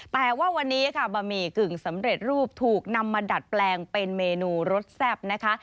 แต่ว่าวันนี้ค่ะบะหมี่กึ่งสำเร็จรูปถูกนำมาดัดแปลงเป็นเมนูรสแซ่บนะคะ